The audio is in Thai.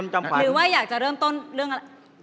หรือว่าอยากจะเริ่มต้นเรื่องอะไร